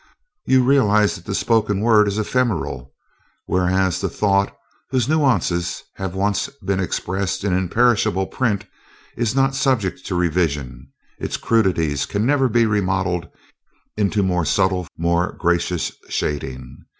You realize that the spoken word is ephemeral, whereas the thought, whose nuances have once been expressed in imperishable print is not subject to revision its crudities can never be remodeled into more subtle, more gracious shading.